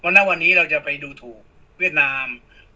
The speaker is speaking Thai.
เพราะนั้นวันนี้เราจะไปดูถูกเวียดนาม